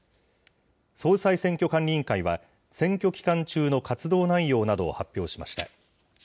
総裁選挙管理委員会は、選挙期間中の活動内容などを発表しました。